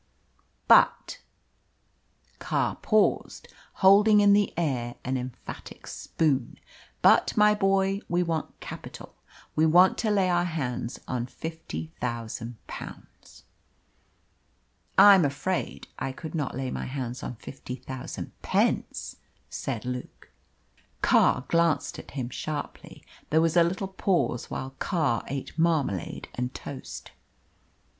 "But " Carr paused, holding in the air an emphatic spoon. "But, my boy, we want capital, we want to lay our hands on fifty thousand pounds." "I am afraid I could not lay my hand on fifty thousand pence," said Luke. Carr glanced at him sharply. There was a little pause while Carr ate marmalade and toast.